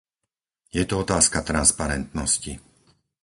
Je to otázka transparentnosti.